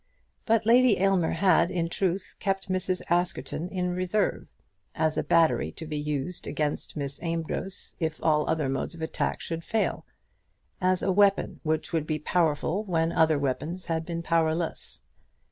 But Lady Aylmer had, in truth, kept Mrs. Askerton in reserve, as a battery to be used against Miss Amedroz if all other modes of attack should fail, as a weapon which would be powerful when other weapons had been powerless.